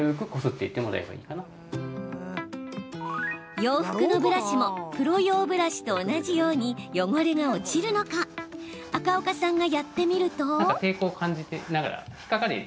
洋服のブラシもプロ用ブラシと同じように汚れが落ちるのか赤岡さんがやってみると。